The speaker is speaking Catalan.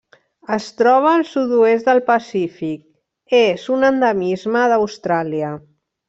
Es troba al sud-oest del Pacífic: és un endemisme d'Austràlia.